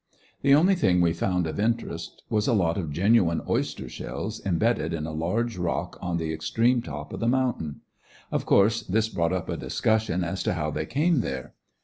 The only thing we found of interest was a lot of genuine oyster shells imbedded in a large rock on the extreme top of the mountain. Of course this brought up a discussion as to how they came there.